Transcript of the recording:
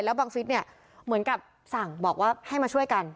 บังฟิศเนี่ยเหมือนกับสั่งบอกว่าให้มาช่วยกัน